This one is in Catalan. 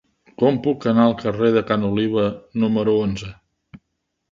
Com puc anar al carrer de Ca n'Oliva número onze?